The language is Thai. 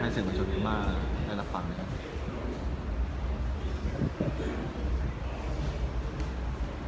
ให้เสียงประชุมนิมารได้รับฟังนะครับ